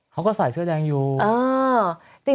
เขาก็ใส่เสื้อแดงอยู่